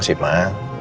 masih nanti juga pulang